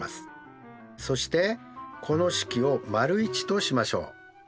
そしてこの式を①としましょう。